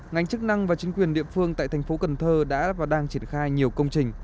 ngành chức năng và chính quyền địa phương tại thành phố cần thơ đã và đang triển khai nhiều công trình